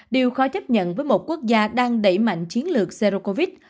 điều khó chấp nhận với một quốc gia đang đẩy mạnh chiến lược zero covid